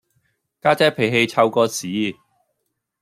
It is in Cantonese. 家姐脾氣臭過屎